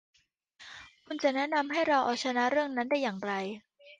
คุณจะแนะนำให้เราเอาชนะเรื่องนั้นได้อย่างไร